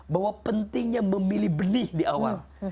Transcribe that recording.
bahwa pentingnya memilih benih di awal